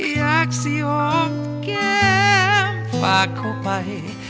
ยอมแก้มฝากเขาไป